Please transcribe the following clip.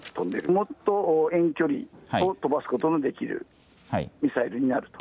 もっと遠距離に飛ばすことのできるミサイルになると。